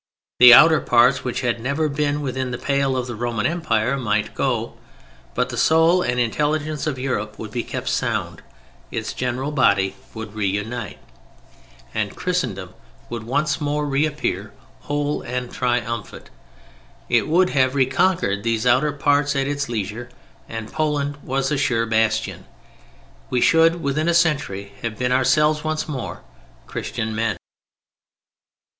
The outer parts, which had never been within the pale of the Roman Empire might go. But the soul and intelligence of Europe would be kept sound; its general body would reunite and Christendom would once more reappear whole and triumphant. It would have reconquered these outer parts at its leisure: and Poland was a sure bastion. We should, within a century, have been ourselves once more: Christian men.